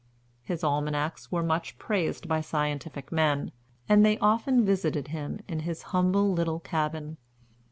His Almanacs were much praised by scientific men, and they often visited him in his humble little cabin.